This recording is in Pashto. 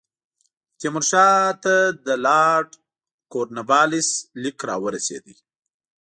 د تیمور شاه ته د لارډ کورنوالیس لیک را ورسېد.